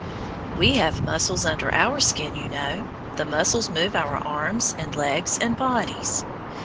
We have muscles under our skin, you know. The muscles move our arms and legs and bodies.